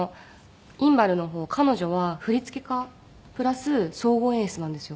インバルの方彼女は振付家プラス総合演出なんですよ。